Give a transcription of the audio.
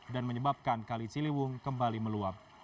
dan menyebabkan kali ciliwung kembali meluap